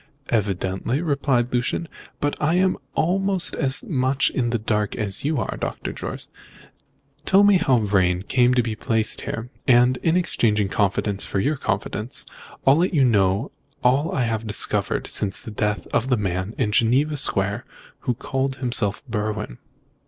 "Evidently," replied Lucian; "but I am almost as much in the dark as you are, Dr. Jorce. Tell me how Vrain came to be placed here, and, exchanging confidence for confidence, I'll let you know all I have discovered since the death of the man in Geneva Square who called himself Berwin."